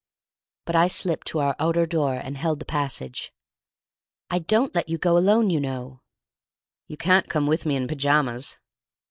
But I slipped to our outer door, and held the passage. "I don't let you go alone, you know." "You can't come with me in pyjamas."